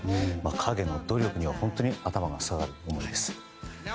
陰の努力に本当に頭が下がる思いです。